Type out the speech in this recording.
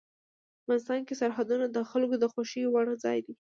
افغانستان کې سرحدونه د خلکو د خوښې وړ ځای دی.